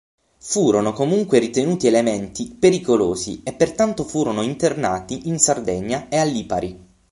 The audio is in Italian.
Furono comunque ritenuti elementi pericolosi, e pertanto furono internati in Sardegna e a Lipari..